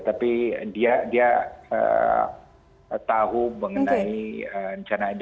tapi dia tahu mengenai rencana